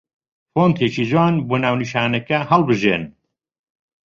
فۆنتێکی جوان بۆ ناونیشانەکە هەڵبژێن